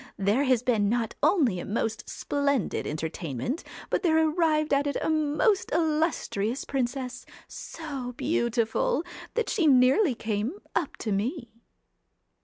There has been not only a most splendid entertainment, but there arrived at it a most illustrious princess, so beautiful, that she nearly came up to me.'